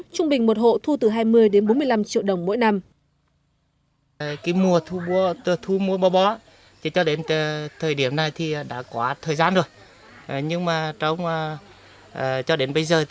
trung bình một hộ thu từ hai mươi đến bốn mươi năm triệu đồng mỗi năm